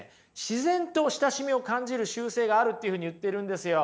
自然と親しみを感じる習性があるっていうふうに言ってるんですよ。